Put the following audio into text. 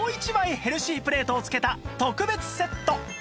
ヘルシープレートを付けた特別セット